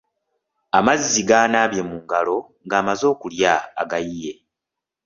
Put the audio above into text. Amazzi g’anaabye mu ngalo nga amaze okulya agayiye.